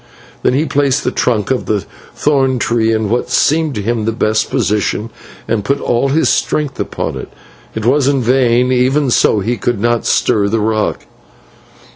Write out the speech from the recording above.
Then he placed the trunk of the thorn tree in what seemed to him the best position, and put all his strength upon it. It was in vain; even so he could not stir the rock.